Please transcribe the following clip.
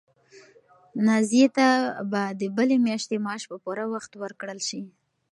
نازیې ته به د بلې میاشتې معاش په پوره وخت ورکړل شي.